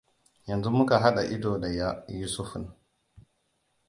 Yanzu muka haɗa ido da Yusufn!